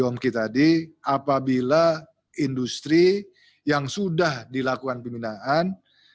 jongki tadi apabila industri yang sudah dilakukan pembinaan